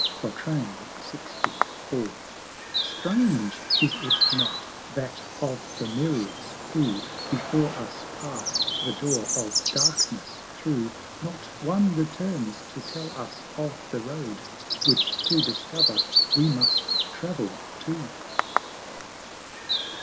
LXIV. Strange, is it not? that of the myriads who Before us pass'd the door of Darkness through, Not one returns to tell us of the Road, Which to discover we must travel too.